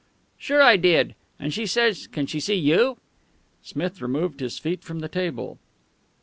"Sure, I did. And she says can she see you?" Smith removed his feet from the table.